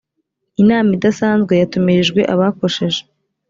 inama idasanzwe yatumirijwe abakosheje